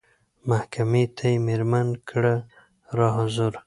محکمې ته یې مېرمن کړه را حضوره